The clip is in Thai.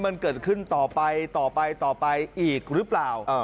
มันเกิดขึ้นต่อไปต่อไปต่อไปอีกหรือเปล่า